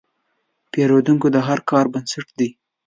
پیرودونکی د هر کاروبار بنسټ دی.